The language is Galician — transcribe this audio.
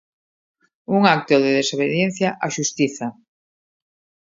"Un acto de desobediencia á xustiza".